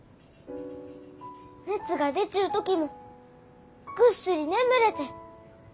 熱が出ちゅう時もぐっすり眠れて。